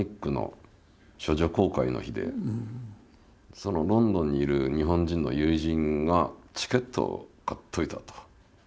そしたらロンドンにいる日本人の友人が「チケットを買っといた」と。